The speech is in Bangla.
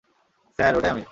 স্যার, ওটাই আমি।